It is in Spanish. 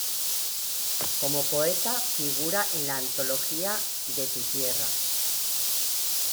Como poeta figura en la antología "De tu tierra.